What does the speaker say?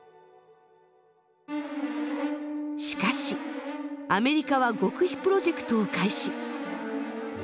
しかしアメリカは極秘プロジェクトを開始。